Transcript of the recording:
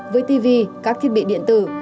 với tv các thiết bị điện tử